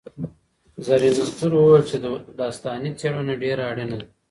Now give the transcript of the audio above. زرین انځور وویل چي داستاني څېړنه ډېره اړینه ده.